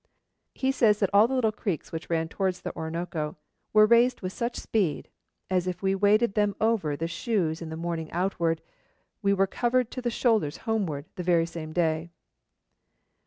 He says that all the little creeks which ran towards the Orinoco 'were raised with such speed, as if we waded them over the shoes in the morning outward, we were covered to the shoulders homeward the very same day.'